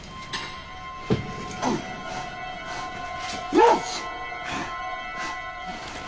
よし！